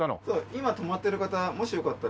今泊まってる方もしよかったら。